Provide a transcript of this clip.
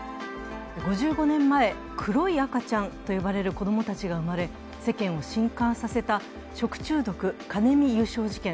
５５年前、黒い赤ちゃんと呼ばれる子供たちが生まれ、世間を震撼させた食中毒、カネミ油症事件。